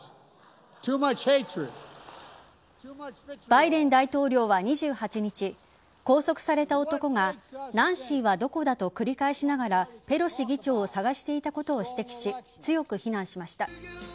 バイデン大統領は２８日拘束された男がナンシーはどこだと繰り返しながらペロシ議長を探していたことを指摘し、強く非難しました。